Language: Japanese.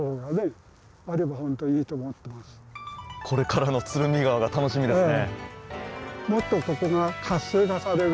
これからの鶴見川が楽しみですね。